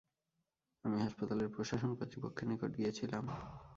আমি হাসপাতালের প্রশাসন কর্তৃপক্ষের নিকট গিয়েছিলাম।